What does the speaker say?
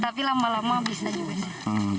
tapi lama lama bisa juga